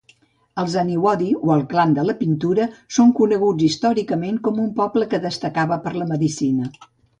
Els aniwodi, o el clan de la pintura, són coneguts històricament com un poble que destacava per la medicina.